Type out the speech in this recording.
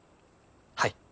はい。